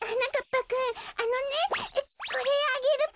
ぱくんあのねこれあげるぴよ。